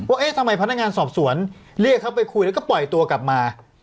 เอ๊ะทำไมพนักงานสอบสวนเรียกเขาไปคุยแล้วก็ปล่อยตัวกลับมา